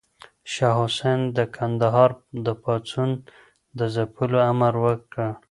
شاه حسين د کندهار د پاڅون د ځپلو امر وکړ.